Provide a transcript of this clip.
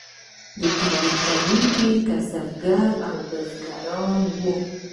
دا تولیدونکي کسبګر او بزګران وو.